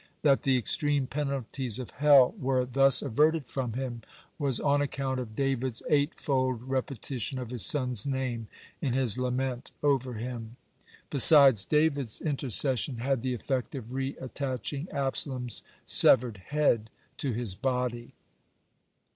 (106) That the extreme penalties of hell were thus averted from him, was on account of David's eightfold repetition of his son's name in his lament over him. Besides, David's intercession had the effect of re attaching Absalom's severed head to his body.